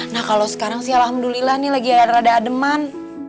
nah kalau sekarang sih alhamdulillah nih lagi ada rada ademan